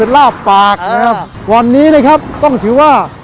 ลาบปากนะครับวันนี้นะครับต้องถือว่า